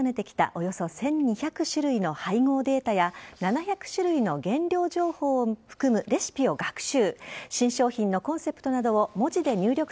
およそ１２００種類の配合データや７００種類の原料情報を含むレシピを学習。